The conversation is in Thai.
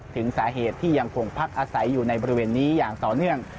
ถึงสาเหตุที่ยังคงพักอาศัยอยู่ในบริเวณนี้อย่างต่อเนื่อง